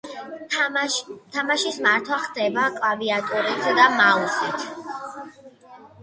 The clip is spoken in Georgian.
თამაშის მართვა ხდება კლავიატურით და მაუსით.